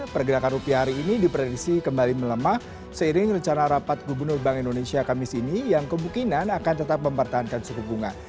pergerakan rupiah hari ini diprediksi kembali melemah seiring rencana rapat gubernur bank indonesia kamis ini yang kemungkinan akan tetap mempertahankan suku bunga